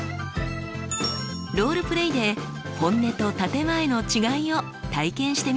ロールプレイで本音と建て前の違いを体験してみましょう。